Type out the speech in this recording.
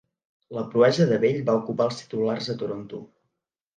La proesa de Bell va ocupar els titulars a Toronto.